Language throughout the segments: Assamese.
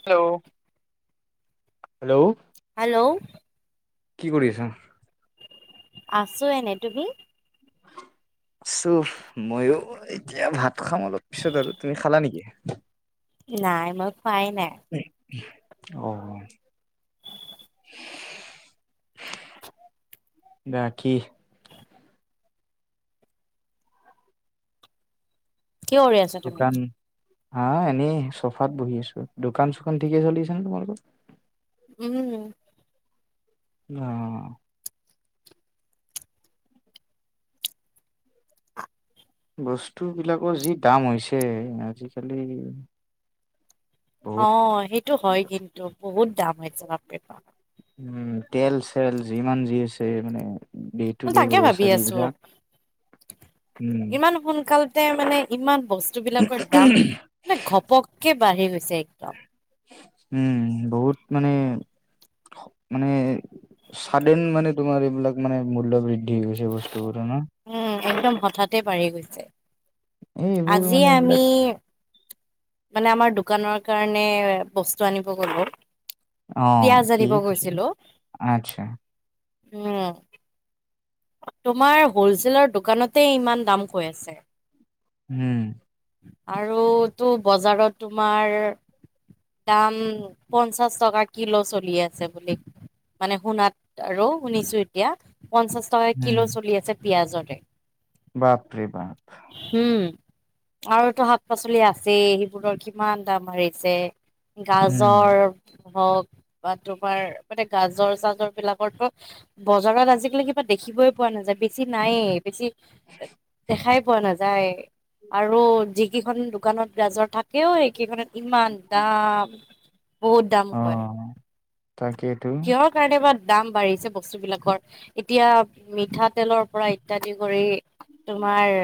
হেল্ল'। হেল্ল'। হেল্ল' কি কৰি আছা আছো এনেই তুমি? আছো ময়ো এতিয়া ভাত খাম অলপ পিছত আৰু তুমি খালা নেকি? নাই মই খোৱাই নাই অ বাকী কি কৰি আছ দোকান হা এনেই চফাত বহি আছো দোকান চোকান ঠিকে চলি আছে নে তোমালোকৰ উম অ বস্তু বিলাকৰ যি দাম হৈছে আজিকালি অ বহুত হেইটো হয় কিন্তু বহুত দাম হৈছে বাপৰেবাপ উম তেল চেল যিমান যি আছে মানে ডে টু মই ডে তাকে ভাবি গ্ৰ'চাৰী আছো বিলাক উম ইমান সোনকাল মানে ইমান বস্তু বিলাকৰ দাম মানে ঘপককে বাঢ়ি গৈছে একদম উম বহুত মানে মানে চাদেন মানে তোমাৰ এইবিলাক মানে মূল্য বৃদ্ধি দি গৈছে বস্তুবোৰ না উম একদম হঠাতে বাঢ়ি গৈছে এই এইবোৰ আজি মানে আমি এইবিলাক মানে আমাৰ দোকানৰ কাৰণে বস্তু আনিব গলো অ পিয়াজ কি আনিব পিছে গৈছিলো আচ্ছা উম তোমাৰ হলচেলাৰ দোকানতে ইমান দাম কৈ আছে উম আৰু তো বজাৰত তোমাৰ দাম পঞ্চাশ টকা কিলো চলি আছে বুলি মানে শুনাত আৰু শুনিছো এতিয়া পঞ্চাশ টই কিলো চলি আছে পিয়াজতে বাপ ৰে বাপ উম আৰুতো শাক পাচলি আছেই সেইবোৰৰ কিমান দাম বাঢ়িছে উম গাজৰ হওক বা তোমাৰ মানে গাজৰ চাজৰ বিলাকৰতো বজাৰত আজিকালি কি দেখিবই পোৱা নাযায় বেছি নায়েই বেছি দেখাই পোৱা না যায় আৰু যিকেইখন দোকানত গাজৰ থাকেও সেইকেইখনত ইমান দাম বহুত দাম কয় তাকে কিহৰ কাৰণে বা দাম বাঢ়িছে বস্তুবিলাকৰ এতিয়া মিঠাতেলৰ পৰা ইত্যাদি কৰি তোমাৰ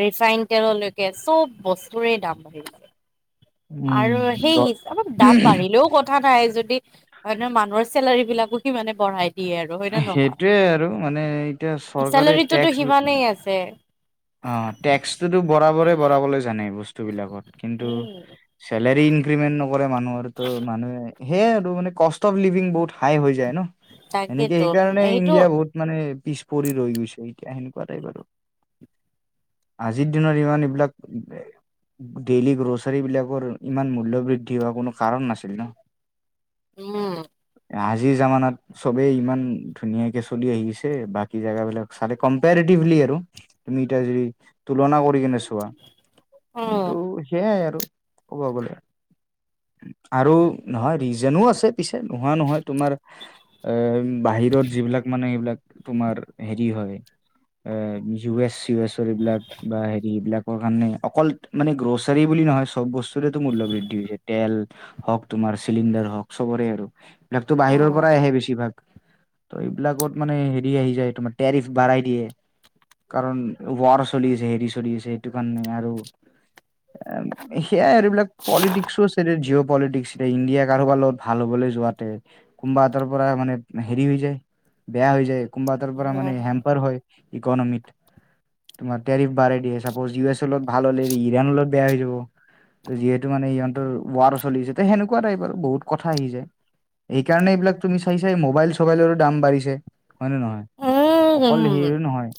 ৰিফাইন তেললৈকে চব বস্তুৰে দাম বাঢ়িছে উম আৰু সেই হিচাপত দাম বাঢ়িলেও কত থা নাই যদি মানে মানুহৰ চেলাৰী বিলাকো সিমানে বঢ়াই দিয়ে আৰু হয় নে সেইটোয়ে আৰু মানে এতিয়া নহয় চৰকাৰে চেলাৰিটোতো টেক্স সিমানেই আছে অ টেক্সটোতো বৰাবৰে বহাবলৈ জানে বস্তুবিলাকত কিন্তু চেলাৰী ইনক্ৰিমেণ্ট নকৰে মানুহৰ, তো মানুহে সেয়া আৰু মানে কষ্ট অফ লিভিং বহুত হা'ই হৈ যায় ন, এনেকে তাকেতো সেইকাৰণে এইটো ইণ্ডিয়া বহুত মানে পিছ পৰি ৰৈ গৈছে এতিয়া সেনেকুৱা টাইপ আৰু। আজিৰ দিনত ইমান এইবিলাক ডেইলি গ্ৰছাৰী বিলাকৰ ইমান মূল্য বৃদ্ধি হোৱা কোনো কাৰণ নাছিল ন। উম। আজিৰ জামানাত চবেই ইমান ধুনীয়াকে চলি আহিছে, বাকী জেগাবিলাক চালে কম্পেৰেটিভলি আৰু তুমি এতিয়া যদি তুলনা কৰি কেনে চোৱা। উম কিন্তু সেইয়াই আৰু ক'ব গ'লে। আৰু নহয় ৰিজনো আছে পিছে, নোহোৱা নহয় তোমাৰ এ বাহিৰত যিবিলাক মানে সেইবিলাক তোমাৰ হেৰি হয়। এ ইউ এছ ইউ এছৰ এইবিলাক বা হেৰি এইবিলাক ক, বৰ কাৰণে অকল মানে গ্ৰ'চাৰী বুলি নহয়, চব বস্তুৰেতো মূল্য বৃদ্ধি হৈছে। তেল হওঁক তোমাৰ চিলিণ্ডাৰ হওঁক চবৰে আৰু। এইবিলাকতো বাহিৰৰ উম পৰাই আহে বেছিভাগ। ত' এইবিলাকত মানে হেৰি আহি যায়, তোমাৰ টেৰিফ বাঢ়াই দিয়ে। কাৰণ ৱাৰ চলি আছে হেৰি চলি আছে। সেইটো কাৰণে আৰু। সেয়াই আৰু এইবিলাক পলিটিক্সও আছে জিঅ' পলিটিক্স। এতিয়া ইণ্ডিয়া কাৰোবাৰ লগত ভাল হ'বলৈ যোৱাতে, কোনোবা এটাৰ পৰা মানে হেৰি হৈ যায়। বেয়া হৈ যায়, কোনোবা এটাৰ পৰা মানে হেম্পাৰ হয় ইকনমিত। তোমাৰ টেৰিফ বাঢ়াই দিয়ে‌। চাপ'জ ইউ এছৰ লগত ভাল হ'লে ইৰাণৰ লগত বেয়া হৈ যাব। ত' যিহেতু মানে সিহঁতৰ ৱাৰ চলি আছে। ত' সেনেকুৱা টাইপ আৰু বহুত কথা আহি যায়। সেইকাৰণে এইবিলাক তুমি চাইছাই মোবাইল চবাইলৰো দাম বাঢ়িছে হয় নে নহয়? উম অকল উম হেৰিয়ো নহয়।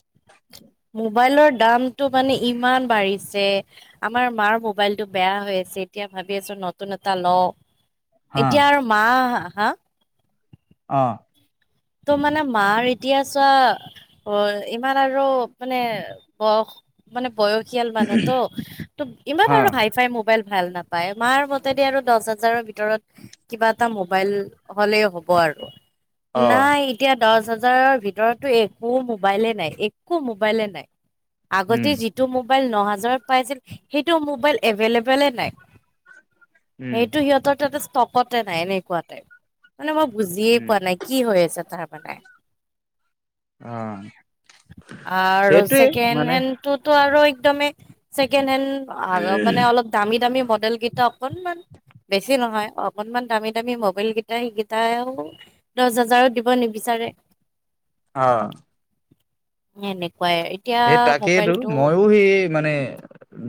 মোবাইলৰ দামতটো মানে ইমান বাঢ়িছে। আমাৰ মাৰ মোবাইলটো বেয়া হৈ আছে। এতিয়া ভাবি আছো নতুন এটা লওঁ। হা এতিয়া আৰু মা হা' অ'। ত' মানে মাৰ এতিয়া চোৱা ইমান আৰু মানে বয়স মানে বয়সীয়াল মানুহ তো ইমান হা আৰু হাই ফাই মোবাইল ভাল নাপ পায়। মাৰ মতে দি আৰু দহ হাজাৰৰ ভিতৰত কিবা এটা মোবাইল হ'লেই হ'ব আৰু। অ' নাই এতিয়া দহ হাজাৰৰ ভিতৰততো একো মোবাইলে নাই একো মোবাইলে নাই। আগতে উম, যিটো মোবাইল ন হাজাৰত পাই আছিল সেইটো মোবাইল এভেইলেবলে নাই। উম, সেইটো সিহঁতৰ তাতে ষ্টকতে নাই এনেকুৱা টাইপ, মানে মই বুজিয়ে উম, পোৱা নাই। কি হৈ আছে তাৰমানে। অ'। আৰু সেইটোৱে ছেকেণ্ড মানে হেণ্ড তোতো আৰু একদমেই ছেকেণ্ড হেণ্ড মানে অলপ দামী দামী মডেল কেইটা অকনমান বেছি নহয়, অকনমান দামী দামী মবাইল কেইটাই সেইকেইটাইও দহ হাজাৰত দিব নিবিচাৰে। অঁ। এনেকুৱাই। এতিয়া সেই তাকেইতো, মোবাইলটো মইও সি মানে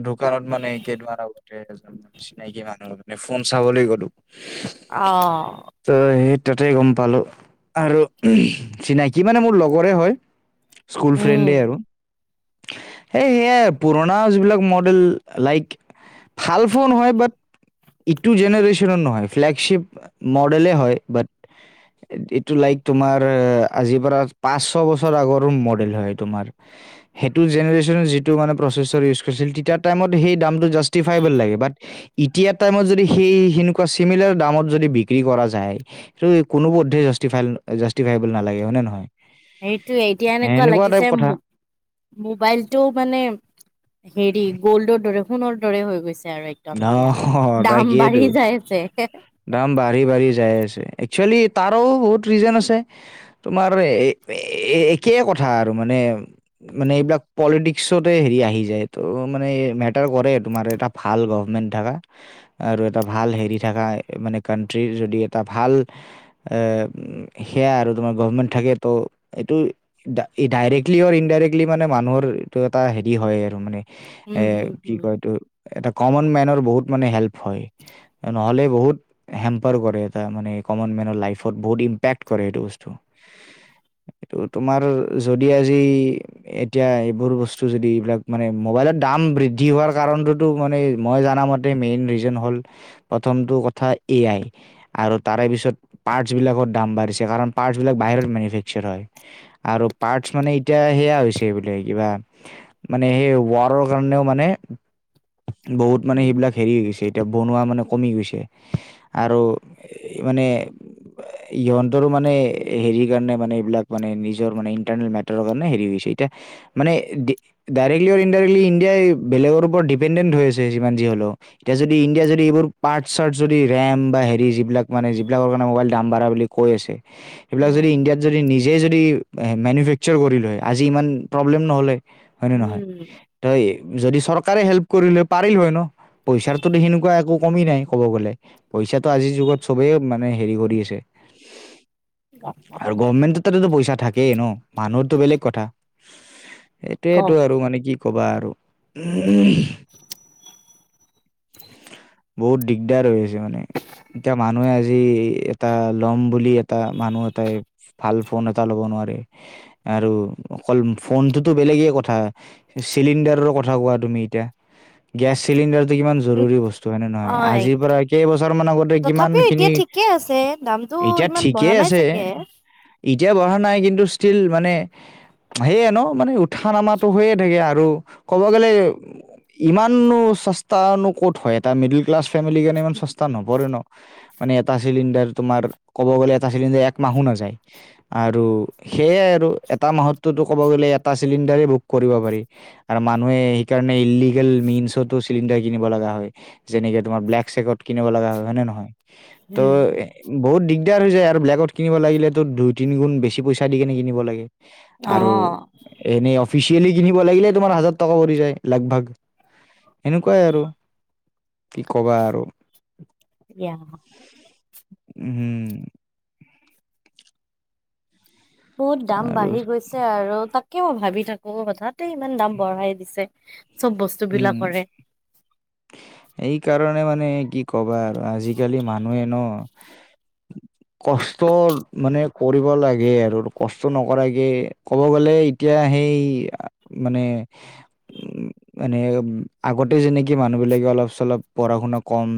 দোকানত মানে কেইদিনমান আগতে যাম চিনাকি মানুহৰ লগত মানে ফোন চাবলৈ গ'লো। অঁ। ত' সেই তাতেই গম পালোঁ। আৰু চিনাকি মানে মোৰ লগৰে হয়, স্কুল উম ফ্ৰেণ্ডে আৰু। সেই সেয়াই পুৰণা যিবিলাক মডেল লাইক ভাল ফোন হয় বাট ইটু জেনেৰেশনৰ নহয়, ফ্লেগশিপ মডেলে হয় বাট এইটো লাইক তোমাৰ আজিৰ পৰা পাঁচ ছয় বছৰ আগৰ মডেল হয় তোমাৰ। [unintelligible] সেইটো জেনেৰেশ্যনৰ যিটো মানে প্ৰচেচৰ ইউজ কৰিছিল তেতিয়া টাইমত সেই দামটো জাষ্টিফাইবল লাগে, বাট এতিয়া টাইমত যদি সেই সেনেকুৱা চিমিলাৰ দামত যদি বিক্ৰী কৰা যায় সেইটো কোনোপধ্যেই জাষ্টি-জাষ্টিফাইবল নালাগে হয় নে নহয়। সেইটোৱে এতিয়া এনেকুৱা টাইপ লাগিছে কথা মোবাইলটো মানে হেৰি গ'ল্ডৰ দৰে, সোণৰ দৰে হৈ গৈছে আৰু একদম অ এতিয়া, দাম তাকেইতো বাঢ়ি যাই আছে। দাম বাঢ়ি বাঢ়ি যাই আছে। একচুৱেলি তাৰো বহুত ৰিজন আছে। তোমাৰ একেই কথা আৰু মানে মানে এইবিলাক পলিটিক্সতে হেৰি আহি যায় ত' মানে মেটাৰ কৰে তোমাৰ এটা ভাল গভমেণ্ট থকা আৰু এটা ভাল হেৰি [unintelligible] মানে কানট্ৰিৰ যদি এটা ভাল আহ, সেয়া আৰু তোমাৰ গভমেণ্ট থাকে তো এইটো ডাইৰেক্টলি আৰু ইনডাইৰেক্টলি মানে মানুহৰ এইটো এটা হেৰি হয় আৰু মানে। উম, এ হুম, কি হুম, কয়, এইটো এটা কমন মেনৰ বহুত মানে হেল্প হয়। নহ'লে বহুত হেম্পাৰ কৰে এটা মানে কমন মেনৰ লাইফত বহুত ইম্পেক্ট কৰে এইটো বস্তু। এইটো তোমাৰ যদি আজি এতিয়া এইবোৰ বস্তু যদি এইবিলাক মানে মোবাইলৰ দাম বৃদ্ধি হোৱাৰ কাৰণটোতো মানে মই জনামতে মেইন ৰিজন হ'ল প্ৰথমটো কথা এ আই। আৰু তাৰে পিছত পাৰ্টছ বিলাকৰ দাম বাঢ়িছে, কাৰণ পাৰ্টছ বিলাক বাহিৰত মেনুফেকচাৰ হয়। আৰু পাৰ্টছ মানে এতিয়া সেয়া হৈছে বোলে কিবা মানে সেই ৱাৰৰ কাৰণেও মানে বহুত মানে উম। সেইবিলাক হেৰি হৈ গৈছে এতিয়া বনোৱা মানে কমি গৈছে আৰু মানে ইহঁতৰ মানে হেৰিৰ কাৰণে মানে, এইবিলাক মানে নিজৰ মানে ইণ্টাৰনেল মেটাৰৰ কাৰণে হেৰি হৈছে, এতিয়া মানে ডাইৰেক্টলি, ইনডাইৰেক্টলি ইণ্ডিয়াই বেলেগৰ ওপৰত ডিপেণ্ডেণ্ট হৈ আছে যিমান যি হ'লেও। এতিয়া যদি ইণ্ডিয়া যদি এইবোৰ পাৰ্ট চাৰ্ট যদি ৰেম বা হেৰি যিবিলাক মানে যিবিলাকৰ কাৰণে মোবাইল দাম বাঢ়া বুলি কৈ আছে সেইবিলাক যদি উম, ইণ্ডিয়াত যদি নিজেই যদি মেনুফেকচাৰ কৰি লয়, আজি ইমান প্ৰব্লেম নহ'লে। হয় নে নহয়? উম, ত' যদি চৰকাৰে হেল্প কৰিলে পাৰিল হয় ন, পইচাটো সেনেকুৱা একো কমি নাই ক'ব গ'লে, পইচাটো আজিৰ যুগত চবেই মানে হেৰি কৰি আছে। আৰু গভমেণ্টততো পইচা থাকেই ন, মানুহৰতো বেলেগ কথা। সেইটোৱেইটো কওক। আৰু মানে কি ক'বা আৰু। বহুত দিগদাৰ হৈ আছে মানে। এতিয়া মানুহে আজি এটা লম বুলি এটা, মানুহ এটাই ভাল ফোন এটা ল'ব নোৱাৰে আৰু অকল ফোনটোতো বেলেগে কথা চিলিণ্ডাৰৰ কথা কোৱা তুমি এতিয়া, গেছ চিলিণ্ডাৰটো কিমান জৰুৰী বস্তু হয় নে নহয়। নহয় হয়, আজিৰ পৰা কেইবছৰ মান আগতে তথাপিও এতিয়া কিমানখিনি ঠিকে আছে দামটো এতিয়া ইমান বঢ়া ঠিকেই নাই আছে। চাগে। এতিয়া বঢ়া নাই কিন্তু ষ্টীল মানে সেইয়া ন মানে উঠা নমাটো হৈয়ে থাকে আৰু ক'ব গ'লে ইমানো চস্তানো ক'ত হয় এটা মিডিল ক্লাছ ফেমিলিৰ কাৰণে ইমান চস্তা নপৰে ন। মানে এটা চিলিণ্ডাৰ তোমাৰ ক'ব গ'লে এটা চিলিণ্ডাৰ একমাহো নাযায়। আৰু সেয়াই আৰু এটা মাহততো ক'ব গ'লে এটা চিলিণ্ডাৰেই বুক কৰিব পাৰি। আৰু মানুহে সেইকাৰণে ইললিগেল মিনচতো চিলিণ্ডাৰ কিনিব লগা হয়। যেনেকে তোমাৰ ব্লেক চেকট কিনিব লগা হয় হয়নে নহয় ত' উম, বহুত দিগদাৰ হৈ যায় আৰু বেলেগত কিনিব লাগিলেতো দুই তিনি গুণ বেছি পইচা দি কেনে কিনিব লাগে। আৰু অ', এনেই অফিচিয়েলি কিনিব লাগিলে তোমাৰ হাজাৰ টকা পৰি যায় লাগ ভাগ সেনেকুৱাই আৰু। কি ক'বা আৰু দিয়া। হম। বহুত দাম আৰু বাঢ়ি গৈছে আৰু তাকে মই ভাবি থাকো হঠাতে ইমান দাম বঢ়াই দিছে। চব বস্তুবিলাকৰে। [inaudible] এইকাৰণে মানে কি ক'বা আৰু আজিকালি মানুহে ন কষ্ট মানে কৰিব লাগে আৰু কষ্ট নকৰাকে ক'ব গ'লে এতিয়া সেই মানে উম মানে আগতে যেনেকৈ মানুহবিলাকে অলপ চলপ পঢ়া শুনা কম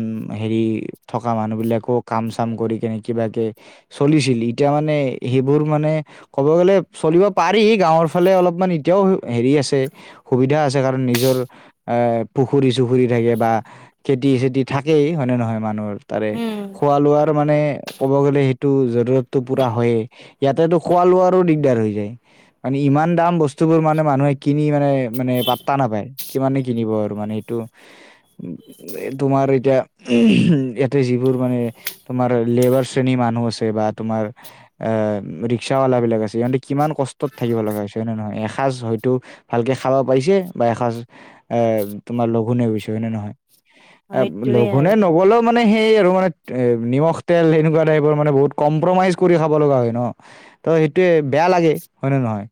হেৰি থকা মানুহবিলাকো কাম চাম কৰি কেনে কিবাকে চলিছিল এতিয়া মানে সেইবোৰ মানে ক'ব গ'লে চলিব পাৰি গাঁৱৰফালে অলপমান এতিয়াও হেৰি আছে। সুবিধা আছে কাৰণ নিজৰ এ পুখুৰী চুখুৰী থাকে বা খেতি চেতি থাকেই হয়নে নহয় মানুহৰ তাৰে। উম, খোৱা লোৱাৰ মানে ক'ব গ'লে সেইটো জৰুৰটো পূৰা হয়েই। ইয়াতেতো খোৱা লোৱাৰো দিগদাৰ হৈ যায়। মানে ইমান দাম বস্তুবোৰ মানে মানুহে কিনি মানে মানে পাত্তা নাপায়। কিমানে কিনিব আৰু মানে এইটো তোমাৰ এতিয়া ইয়াতে যিবোৰ মানে তোমাৰ লেবাৰ শ্ৰেণী মানুহ আছে বা তোমাৰ এ ৰিক্সৱালাবিলাক আছে সিহঁতে কিমান কষ্টত থাকিব লগা হৈছে হয় নে নহয় এখাজ হয়তো ভালকে খাব পাৰিছে বা এখাজ এ তোমাৰ লঘোনে গৈছে হয়নে নহয় এ সেইটোৱে লঘোনে আৰু। নগ'লেও মানে সেই আৰু মানে এ নিমখ তেল সেনেকুৱা টাইপৰ মানে বহুত কম্প্ৰমাইজ কৰি খাব লগা হয় ন। ত' সেইটোৱে বেয়া লাগে হয়নে নহয়।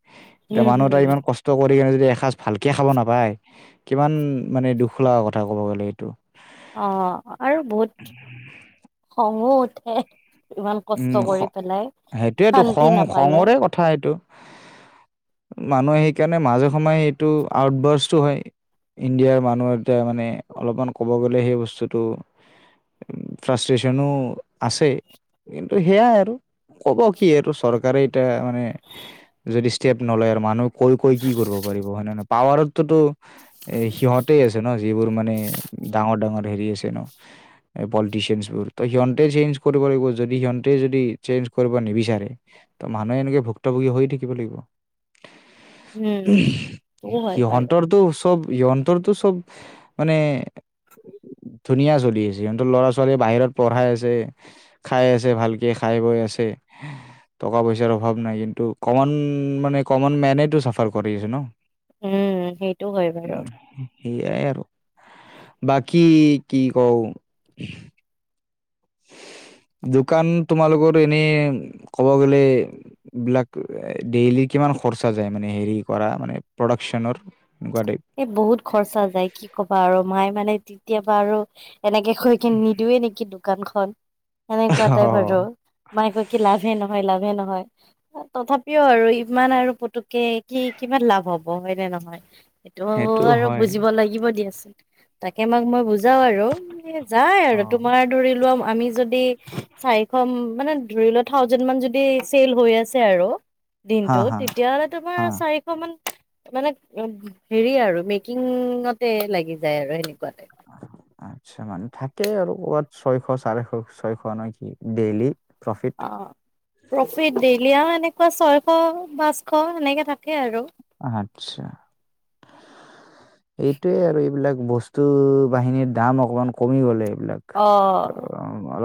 এতিয়া উম, মানুহ হুম, এটাই ইমান কষ্ট কৰি কিনে যদি এসাঁজ ভালকে খাব নাপায়। কিমান মানে দুখ লগা কথা ক'ব গ'লে এইটো। অ', আৰু বহুত খঙো উঠে। ইমান উম কষ্ট কৰি পেলাই সেইটোয়েতো খং শান্তি নাপালে। খঙৰে কথা এইটো। মানুহে সেইকাৰণে মাজে সময়ে এইটো আউটডৰ্চটো হয়। ইণ্ডিয়াৰ মানুহ এটাই মানে অলপমান ক'ব গ'লে সেই বস্তুটো ফ্ৰাষ্ট্ৰেশ্যনো আছে। কিন্তু সেয়াই আৰু ক'ব কি আৰু চৰকাৰে এতিয়া মানে যদি ষ্টেপ নলয় আৰু মানুহে কৈ কৈ কি কৰিব পাৰিব হয়নে নহয়। পাৱাৰততো এ সিহঁতে আছে ন, যিবোৰ মানে ডাঙৰ, ডাঙৰ হেৰি আছে ন। এ পলিটিছিয়ানচবোৰ, ত' সিহঁতে চেঞ্জ কৰিব লাগিব যদি সিহঁতে যদি চেঞ্জ কৰিব নিবিচাৰে, ত' মানুহে এনেকে ভুক্তভোগী হৈ থাকিব লাগিব। উম, টো হয় বাৰু। সিহঁতৰতো চব সিহঁতৰটো চব মানে ধুনীয়া চলি আছে, সিহঁতৰ ল'ৰা ছোৱালী বাহিৰত পঢ়াই আছে। খাই আছে ভালকে, খাই বৈ আছে। টকা পইচাৰ অভাৱ নাই, কিন্তু কমন মানে কমন মেনেইটো চাফাৰ কৰি আছে ন। উম, সেইটো হয় বাৰু। [unintelligible] সেয়াই আৰু বাকী কি কওঁ দোকান তোমালোকৰ এনে ক'ব গ'লে বিলাক ডেইলি কিমান খৰচা যায় মানে হেৰি কৰা মানে প্ৰডাকচনত। [unintelligible] এই বহুত খৰচা যায় কি ক'বা আৰু মায়ে মানে তেতিয়াৰ পৰা আৰু এনেকে [unintelligible] কি নিদোৱে নেকি দোকানখন, সেনেকুৱা টাইপ আৰু। অ', মায়ে কয় কি লাভে নহয়, লাভে নহয়। তথাপিও আৰু ইমান আৰু পুতুকে কি কিমান লাভ হ'ব, হয়নে নহয়। সেইটো আৰু বুজিব লাগিব দিয়াচোন, তাকে মাক মই বুজাওঁ আৰু যায় আৰু অ', তোমাৰ ধৰি লোৱা আমি যদি চাৰিশ মানে ধৰি লোৱা থাওজেণ্ড মান যদি চেল হৈ আছে আৰু হা, দিনটোত, হা, তেতিয়াহ'লে তোমাৰ হা, চাৰি শ মান মানে হেৰি আৰু মেকিঙতে লাগি যায় আৰু সেনেকুৱাত। [unintelligible] আচ্ছা, মানে থাকে আৰু ক'ৰবাত ছয়শ চাৰে ছয়শ ন কি ডেইলি প্ৰফিট। অ', প্ৰফিট ডেইলি আৰু এনেকুৱা ছয়শ পাঁচশ সেনেকে থাকে আৰু। আচ্ছা। এইটোৱেই আৰু এইবিলাক বস্তু বাহিনীৰ দাম অকমান কমিবলে এইবিলাক। অ'। [unintelligible]